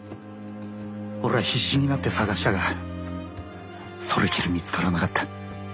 俺は必死になって捜したがそれきり見つからなかった。